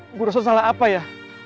ibu rasa salah apa ya